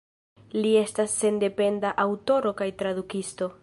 Li estas sendependa aŭtoro kaj tradukisto.